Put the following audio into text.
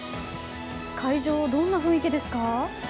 会場はどんな雰囲気ですか？